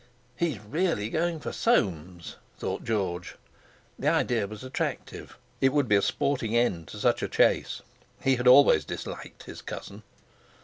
"He's really going for Soames!" thought George. The idea was attractive. It would be a sporting end to such a chase. He had always disliked his cousin.